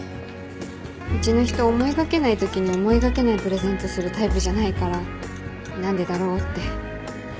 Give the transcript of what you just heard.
うちの人思いがけないときに思いがけないプレゼントするタイプじゃないから何でだろうって。